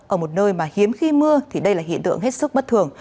ở một nơi mà hiếm khi mưa thì đây là hiện tượng hết sức bất thường